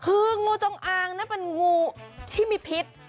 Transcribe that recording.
คืองูจงอางนะเป็นงูที่มีพิษ